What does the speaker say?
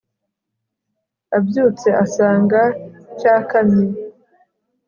abyutse asanga cyakamye